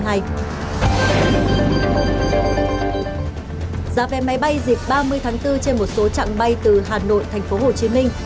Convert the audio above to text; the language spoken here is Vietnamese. giá vé máy bay dịp ba mươi tháng bốn trên một số chặng bay từ hà nội thành phố hồ chí minh